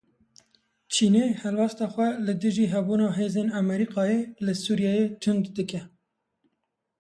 Çînê helwesta xwe li dijî hebûna hêzên Amerîkayê li Sûriyeyê tund dike.